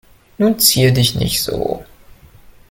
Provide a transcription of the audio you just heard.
Nun zier dich nicht so.